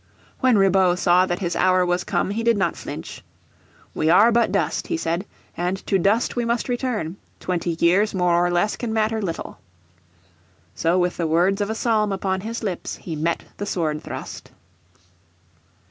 When Ribaut saw that his hour was come he did not flinch. "We are but dust," he said, "and to dust we must return: twenty years more or less can matter little." So with the words of a psalm upon his lips he met the swordthrust.